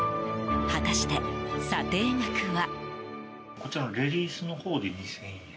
果たして、査定額は？